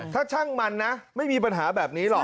ถ้าช่างมันนะไม่มีปัญหาแบบนี้หรอก